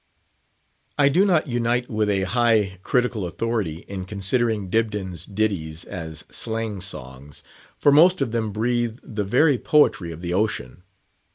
I do not unite with a high critical authority in considering Dibdin's ditties as "slang songs," for most of them breathe the very poetry of the ocean.